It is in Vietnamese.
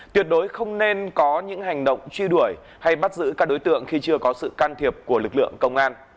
tuyệt đối không nên có những hành động truy đuổi hay bắt giữ các đối tượng khi chưa có sự can thiệp của lực lượng công an